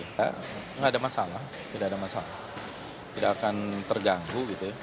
tidak ada masalah tidak akan terganggu